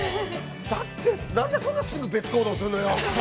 ◆だって、何でそんなすぐ、別行動するのよ。